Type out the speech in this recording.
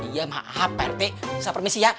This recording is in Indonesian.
iya maaf pak rete saya permisi ya